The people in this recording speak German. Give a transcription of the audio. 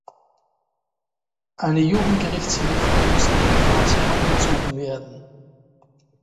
Eine Jugendgerichtshilfe muss ebenfalls herangezogen werden.